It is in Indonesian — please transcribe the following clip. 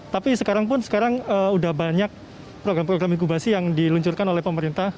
tapi sekarang pun sekarang sudah banyak program program inkubasi yang diluncurkan oleh pemerintah